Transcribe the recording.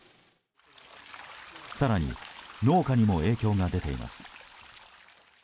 更に農家にも影響が出ています。